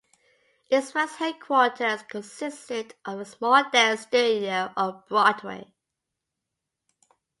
Its first headquarters consisted of a small dance studio on Broadway.